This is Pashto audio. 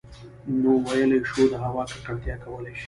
نـو ٫ويلـی شـوو د هـوا ککـړتـيا کـولی شـي